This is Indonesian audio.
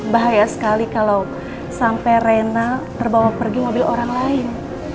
bahaya sekali kalau sampai reina terbawa pergi mobil orang lain